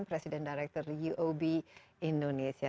presiden direktur uob indonesia